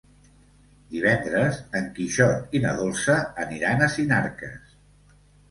Divendres en Quixot i na Dolça aniran a Sinarques.